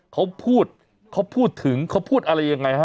เขาพูดเขาพูดถึงเขาพูดอะไรยังไงฮะ